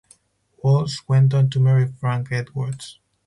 Walsh went on to marry Frank Edwards.